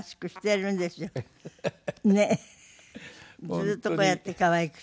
ずっとこうやって可愛くして。